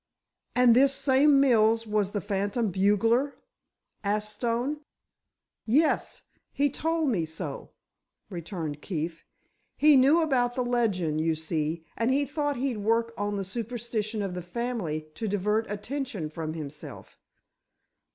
"And this same Mills was the phantom bugler?" asked Stone. "Yes—he told me so," returned Keefe. "He knew about the legend, you see, and he thought he'd work on the superstition of the family to divert attention from himself."